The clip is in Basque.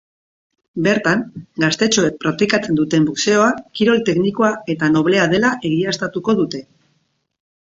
Bertan, gaztetxoek praktikatzen duten boxeoa kirol teknikoa eta noblea dela egiaztatuko dute.